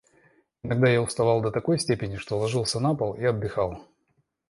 Иногда я уставал до такой степени, что ложился на пол и отдыхал.